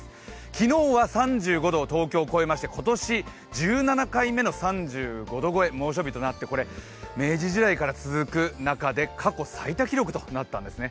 昨日は３５度を東京は超えまして今年、１７回目の３５度超え、猛暑日となって、明治時代から続く中で過去最多記録となったんですね。